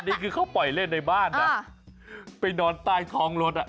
อันนี้คือเขาปล่อยเล่นในบ้านไปนอนใต้ท้องรถ